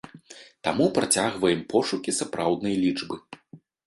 Таму працягваем пошукі сапраўднай лічбы.